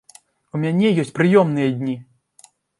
У мяне ёсць прыёмныя дні.